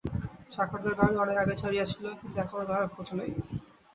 চাকরদের গাড়ি অনেক আগে ছাড়িয়াছিল, কিন্তু এখনো তাহার খোঁজ নাই।